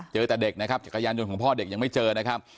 เจอแต่เด็กนะครับจักรยานยนต์ของพ่อเด็กยังไม่เจอนะครับ